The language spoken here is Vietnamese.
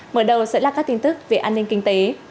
mở đầu sẽ là các tin tức về an ninh kinh tế